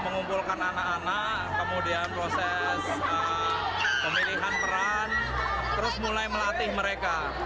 mengumpulkan anak anak kemudian proses pemilihan peran terus mulai melatih mereka